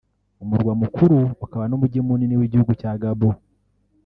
Umurwa mukuru ukaba n’umujyi munini w’igihugu cya Gabon